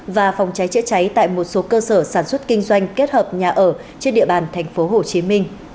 và phòng cháy chữa cháy tại một số cơ sở sản xuất kinh doanh kết hợp nhà ở trên địa bàn tp hcm